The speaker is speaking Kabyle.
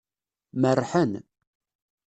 Merrḥen.